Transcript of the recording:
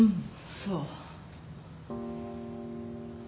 そう。